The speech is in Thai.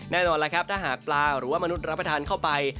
แน่นอนล่ะครับถ้าหากปลาหรือว่ามนุษย์รับประทานเข้าไป